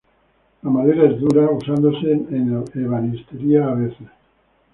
La madera es dura, usándose en ebanistería a veces.